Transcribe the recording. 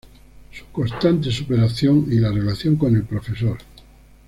Su constante superación y la relación con el Prof.